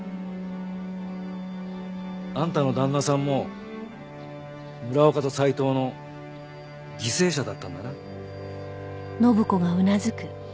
あんたの旦那さんも村岡と斎藤の犠牲者だったんだな？